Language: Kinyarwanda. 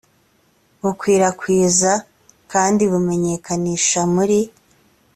bukwirakwiza kandi bumenyekanisha muri